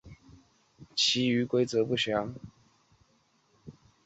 还分别是世界第六大镍矿及白金生产国。